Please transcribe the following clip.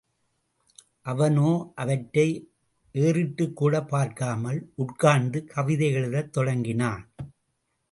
அவனோ, அவற்றை ஏறிட்டுக்கூடப் பார்க்காமல், உட்கார்ந்து கவிதை எழுதத் தொடங்கினான்.